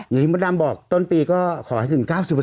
อย่างที่มดดำบอกต้นปีก็ขอให้ถึง๙๐